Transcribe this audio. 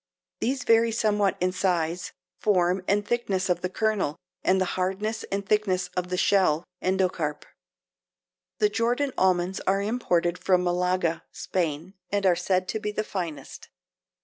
These vary somewhat in size, form and thickness of the kernel and the hardness and thickness of the shell (endocarp). The Jordan almonds are imported from Malaga (Spain) and are said to be the finest.